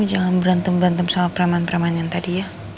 jangan berantem berantem sama peraman peraman yang tadi ya